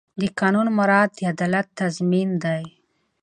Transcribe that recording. د قانون مراعات د عدالت تضمین دی.